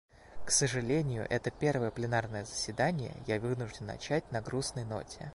К сожалению, это первое пленарное заседание я вынужден начать на грустной ноте.